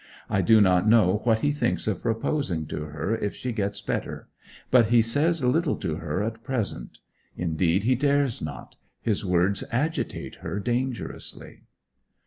I do not know what he thinks of proposing to her if she gets better, but he says little to her at present: indeed he dares not: his words agitate her dangerously.